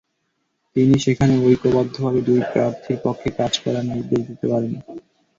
তিনি সেখানে ঐক্যবদ্ধভাবে দুই প্রার্থীর পক্ষে কাজ করার নির্দেশ দিতে পারেন।